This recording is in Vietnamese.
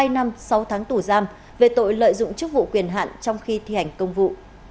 hai năm sáu tháng tù giam về tội lợi dụng chức vụ quyền hạn trong khi thi hành công vụ